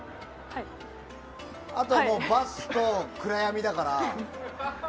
あとバスと暗闇だから。